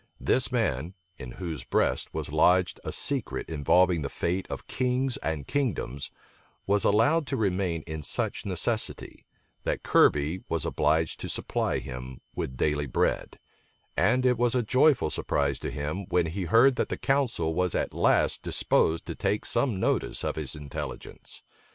This man, in whose breast was lodged a secret involving the fate of kings and kingdoms, was allowed to remain in such necessity, that Kirby was obliged to supply him with daily bread; and it was a joyful surprise to him, when he heard that the council was at last disposed to take some notice of his intelligence.